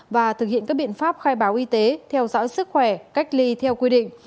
và thực hiện các biện pháp khai báo y tế theo dõi sức khỏe cách ly theo quy định